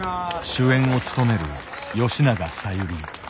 主演を務める吉永小百合。